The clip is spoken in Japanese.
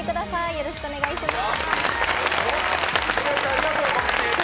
よろしくお願いします。